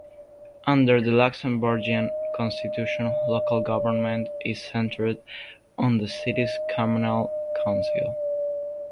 Under the Luxembourgian constitution, local government is centred on the city's communal council.